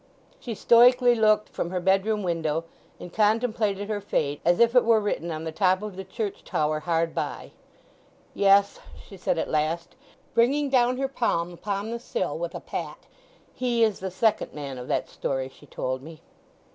She stoically looked from her bedroom window, and contemplated her fate as if it were written on the top of the church tower hard by. "Yes," she said at last, bringing down her palm upon the sill with a pat: "He is the second man of that story she told me!"